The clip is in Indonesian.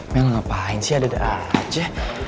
mel ngapain sih ada ada aja